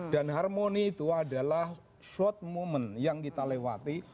dan harmoni itu adalah short moment yang kita lewati